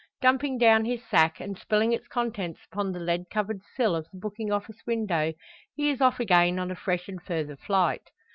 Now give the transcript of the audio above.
Dumping down his sack, and spilling its contents upon the lead covered sill of the booking office window, he is off again on a fresh and further flight.